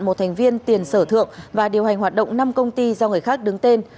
một thành viên tiền sở thượng và điều hành hoạt động năm công ty do người khác đứng tên